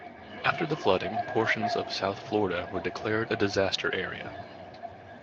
After the flooding, portions of south Florida were declared a disaster area.